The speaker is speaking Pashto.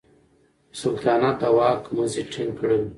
د سلطنت د واک مزي ټینګ کړل.